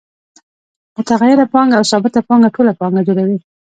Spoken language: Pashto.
متغیره پانګه او ثابته پانګه ټوله پانګه جوړوي